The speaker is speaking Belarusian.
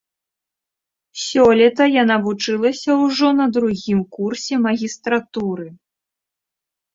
Сёлета яна вучылася ўжо на другім курсе магістратуры.